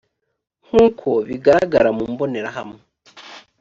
nk uko bigaragara mu mbonerahamwe